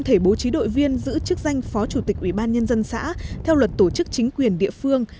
thể bố trí đội viên giữ chức danh phó chủ tịch ủy ban nhân dân xã theo luật tổ chức chính quyền địa phương